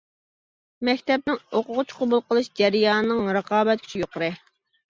مەكتەپنىڭ ئوقۇغۇچى قوبۇل قىلىش جەريانىنىڭ رىقابەت كۈچى يۇقىرى.